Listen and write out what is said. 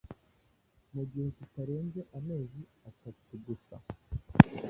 mu gihe kitarenze amezi atatu gusa.